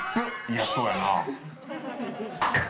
嫌そうやな？